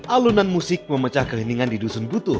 alunan musik memecah keliningan di dusun butuh